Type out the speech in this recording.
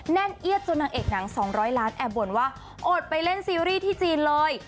แน่นเอียดจนนางเอกหนัง๒๐๐ล้านแอบบ่นว่าอดไปเล่นซีรีส์ที่จีนเลย